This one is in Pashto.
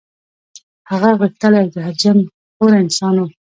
هغه غښتلی او زهر خوره انسان وو.